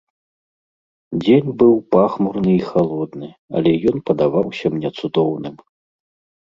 Дзень быў пахмурны і халодны, але ён падаваўся мне цудоўным.